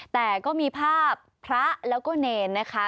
แต่ก็มีภาพพระแล้วก็เนรนะคะ